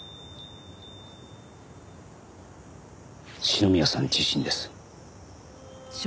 篠宮さん自身です。